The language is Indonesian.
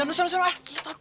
aduh suruh suruh ah